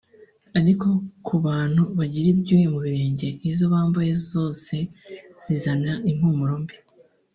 ariko ku bantu bagira ibyuya mu birenge izo bambaye zose zizana impumuro mbi